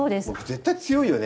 絶対強いよね。